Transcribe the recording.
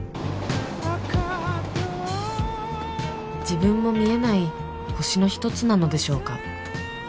自分も見えない星の一つなのでしょうか